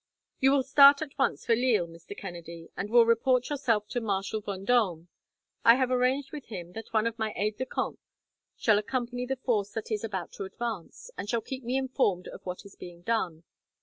"You will start at once for Lille, Mr. Kennedy, and will report yourself to Marshal Vendome. I have arranged with him that one of my aides de camp shall accompany the force that is about to advance, and shall keep me informed of what is being done.